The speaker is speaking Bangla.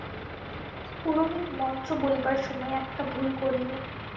পুরোহিত মন্ত্র বলিবার সময় একটা ভুল করিল।